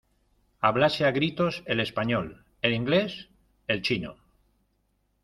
hablase a gritos el español, el inglés , el chino.